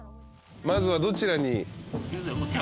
まずはどちらに？